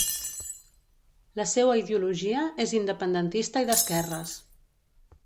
La seua ideologia és independentista i d'esquerres.